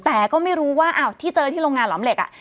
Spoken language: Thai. แต่ก็ไม่รู้ว่าที่เจอที่โรงงานหลอมเหล็ก